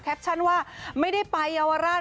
แทปชั่นว่าไม่ได้ไปยาวราช